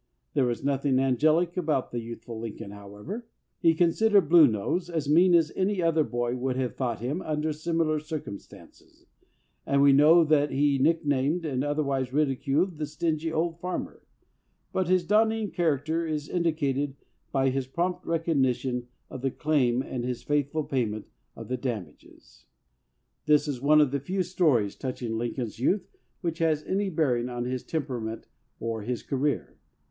There was nothing angelic about the youthful Lincoln, however. He con sidered "Blue Nose" as mean as any other boy would have thought him under similar circum stances, and we know that he nicknamed and otherwise ridiculed the stingy old farmer; but his dawning character is indicated by his prompt recognition of the claim and his faithful pay ment of the damages. 9 LINCOLN THE LAWYER This is one of the few stories touching Lin coln's youth which has any bearing on his tem perament or his career.